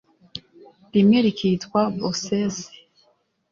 rimwe rikitwa bosesi